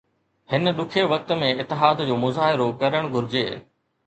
هن ڏکئي وقت ۾ اتحاد جو مظاهرو ڪرڻ گهرجي